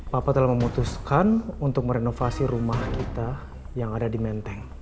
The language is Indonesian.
bapak telah memutuskan untuk merenovasi rumah kita yang ada di menteng